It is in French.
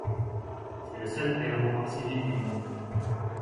C'est le seul aéroport civil du Liban.